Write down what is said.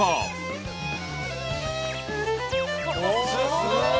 すごい！